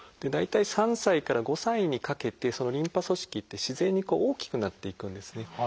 大体３歳から５歳にかけてそのリンパ組織って自然に大きくなっていくんですね。